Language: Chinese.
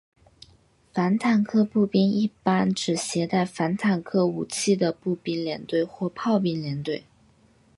反坦克步兵一般指携带反坦克武器的步兵连队或炮兵连队。